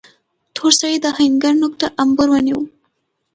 تور سړي د آهنګر نوک ته امبور ونيو.